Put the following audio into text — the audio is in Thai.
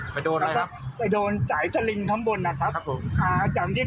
ไปโดนนะครับไปโดนสายสลิมข้างบนนะครับครับผมอ่าจากที่